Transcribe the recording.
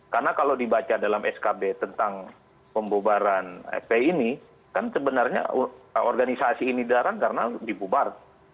karena kalau dibaca dalam skb tentang pembubaran fpi ini kan sebenarnya organisasi ini darang karena dibubar